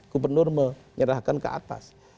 gubernur menyerahkan ke atas